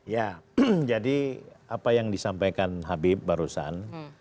ya jadi apa yang disampaikan habib barusan